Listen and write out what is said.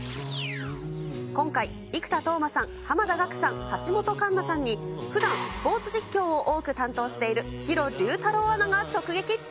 今回、生田斗真さん、濱田岳さん、橋本環奈さんに、ふだんスポーツ実況を多く担当している弘竜太郎アナが直撃。